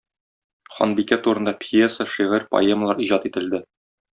Ханбикә турында пьеса, шигырь, поэмалар иҗат ителде.